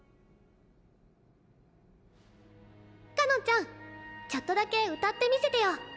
かのんちゃんちょっとだけ歌ってみせてよ。